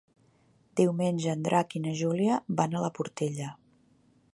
Diumenge en Drac i na Júlia van a la Portella.